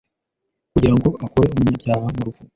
kugira ngo akure umunyabyaha mu rupfu.